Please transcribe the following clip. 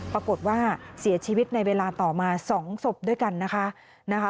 ปรากฏว่าเสียชีวิตในเวลาต่อมา๒ศพด้วยกันนะคะ